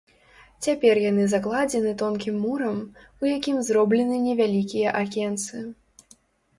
Цяпер яны закладзены тонкім мурам, у якім зроблены невялікія акенцы.